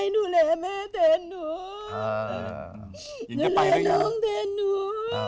นูเรียนหนังแทนหนู